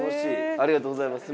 ありがとうございます。